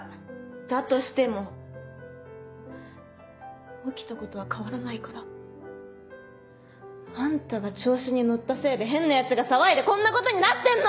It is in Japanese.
だとしても起きたことは変わらないから。あんたが調子に乗ったせいで変なヤツが騒いでこんなことになってんの！